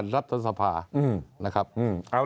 ที่ร้ายที่สุดคือผลิตการรัฐสมภา